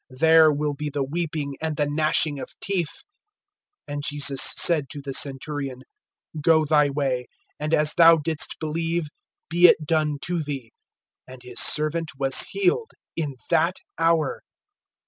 There will be the weeping, and the gnashing of teeth! (13)And Jesus said to the centurion: Go thy way; and as thou didst believe, be it done to thee. And his servant was healed in that hour.